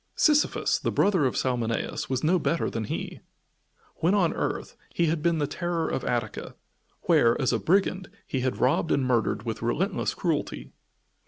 Sisyphus, the brother of Salmoneus, was no better than he. When on earth, he had been the terror of Attica, where, as a brigand, he had robbed and murdered with relentless cruelty.